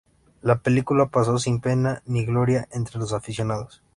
La película pasó sin pena ni gloria entre los aficionados.